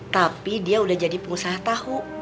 tapi dia udah jadi pengusaha tahu